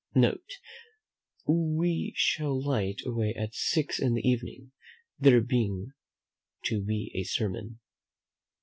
"Note. We shall light away at six in the evening, there being to be a sermon.